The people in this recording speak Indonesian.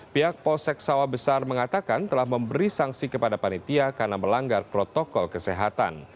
pihak polsek sawah besar mengatakan telah memberi sanksi kepada panitia karena melanggar protokol kesehatan